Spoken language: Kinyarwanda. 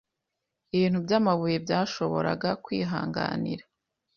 ibintu byamabuye byashoboraga kwihanganira